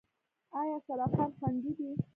آیا صرافان خوندي دي؟